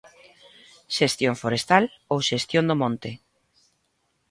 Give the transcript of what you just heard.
Xestión forestal ou xestión do monte.